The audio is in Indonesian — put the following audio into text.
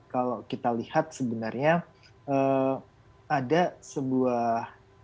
kalau kita lihat sebenarnya ada sebuah